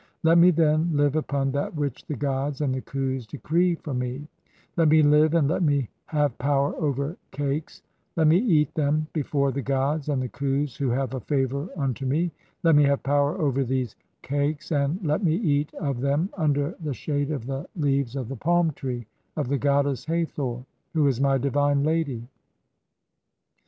Let me, then, live upon that which the gods "and the Khus decree for me ; (5) let me live and let me have "power over cakes ; let me eat them before the gods and the Khus "[who have a favour] unto (6) me; let me have power over [these "cakes] and let me eat of them under the [shade of the] leaves "of the palm tree of the goddess Hathor, (7) who is my divine "Lady.